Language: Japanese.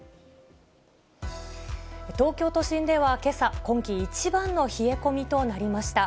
東京都心ではけさ、今季一番の冷え込みとなりました。